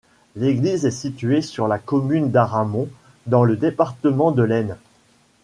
L'église est située sur la commune d'Haramont, dans le département de l'Aisne.